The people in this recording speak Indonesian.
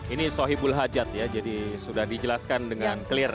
ini sohibul hajat ya jadi sudah dijelaskan dengan clear